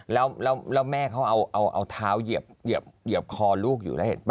แล้วแม่เขาเอาเท้าเหยียบคอลูกอยู่แล้วเห็นป่